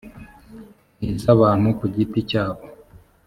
n iz abantu ku giti cyabo